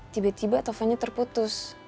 tiba tiba telponnya terputus